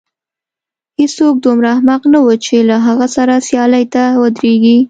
هېڅوک دومره احمق نه و چې له هغه سره سیالۍ ته ودرېږي.